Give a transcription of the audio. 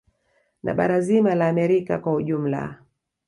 Na bara zima la Amerika kwa ujumla